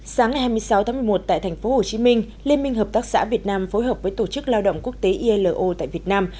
sáng ngày hai mươi sáu tháng một mươi một tại thành phố hồ chí minh liên minh hợp tác xã việt nam phối hợp với tổ chức lao động quốc tế ilo tại việt nam